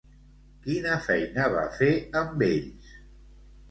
Quina feina va fer amb ells?